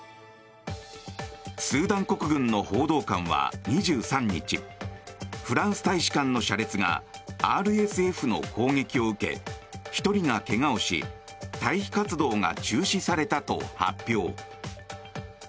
スーダン国軍の報道官は２３日フランス大使館の車列がＲＳＦの攻撃を受け１人が怪我をし退避活動が中止されたと発表。